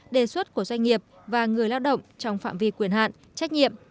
đề xuất của doanh nghiệp và người lao động trong phạm vi quyền hạn trách nhiệm